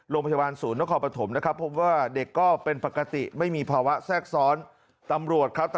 โรงพยาบาลศูนย์นครปฐมนะครับพบว่าเด็กก็เป็นปกติไม่มีภาวะแทรกซ้อนตำรวจครับ